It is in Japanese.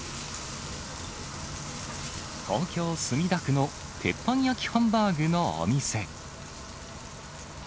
東京・墨田区の鉄板焼きハンバーグのお店。